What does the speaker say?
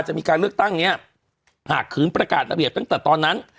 จะมีการเลือกตั้งเนี่ยหากขืนประกาศระเบียบตั้งแต่ตอนนั้น